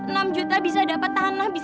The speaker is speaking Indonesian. mau ngasih kabar